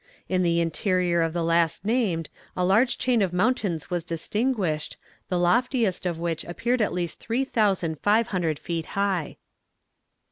In the interior of the last named a large chain of mountains was distinguished, the loftiest of which appeared at least three thousand five hundred feet high.